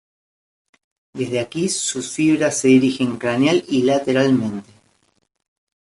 Desde aquí sus fibras se dirigen craneal y lateralmente.